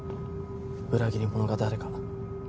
裏切り者が誰か。